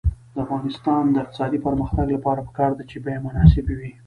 د افغانستان د اقتصادي پرمختګ لپاره پکار ده چې بیې مناسبې وي.